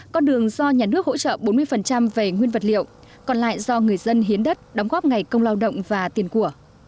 con đường do nhà nước hỗ trợ bốn mươi về nguyên vật liệu còn lại do người dân hiến đất đóng góp ngày công lao động và tiền của